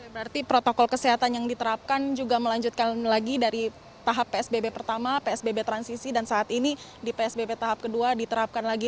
berarti protokol kesehatan yang diterapkan juga melanjutkan lagi dari tahap psbb pertama psbb transisi dan saat ini di psbb tahap kedua diterapkan lagi